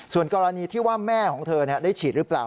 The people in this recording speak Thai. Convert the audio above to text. ส่วนกรณีที่ว่าแม่ของเธอได้ฉีดหรือเปล่า